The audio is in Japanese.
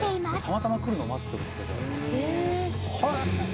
たまたま来るのを待つってことですね